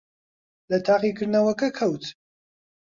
لە تاقیکردنەوەکە کەوت.